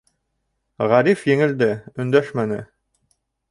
Ғариф еңелде, өндәшмәне.